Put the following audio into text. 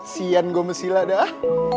sian gue sama sila dah